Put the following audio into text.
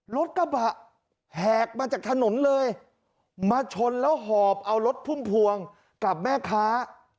รถกระบะแหกมาจากถนนเลยมาชนแล้วหอบเอารถพุ่มพวงกับแม่ค้า